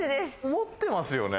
持ってますよね？